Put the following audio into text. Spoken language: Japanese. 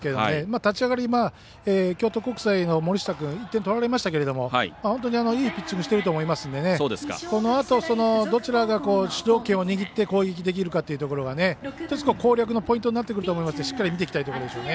立ち上がりは京都国際の森下君１点取られましたけど本当にいいピッチングをしていると思いますのでこのあとどちらが主導権を握って攻撃できるかということが攻略のポイントになってくると思いますので、しっかりと見ていきたいところですね。